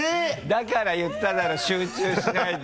だから言っただろ集中しないと。